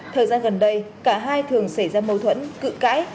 thời gian gần đây cả hai thường xảy ra mâu thuẫn cự cãi